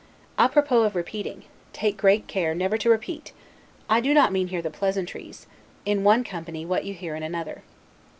'A propos' of repeating; take great care never to repeat (I do not mean here the pleasantries) in one company what you hear in another.